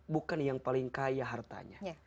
bukan yang paling kaya hartanya